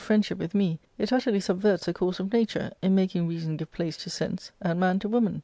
£i£ndship with me, it utterly sulSverts the course of nature, in making reason give place to sense, and ^XJ man to woman.